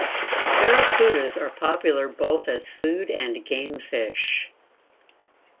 Barracudas are popular both as food and game fish.